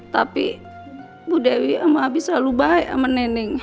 tapi bu dewi sama abi selalu baik sama neneng